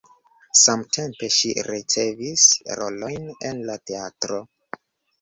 Samtempe ŝi ricevis rolojn en la teatro.